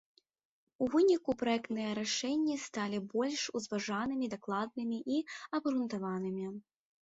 У выніку праектныя рашэнні сталі больш узважанымі, дакладнымі і абгрунтаванымі.